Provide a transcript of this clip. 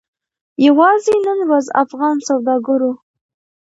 یوازې نن ورځ افغان سوداګرو